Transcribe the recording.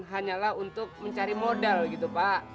hanyalah untuk mencari modal gitu pak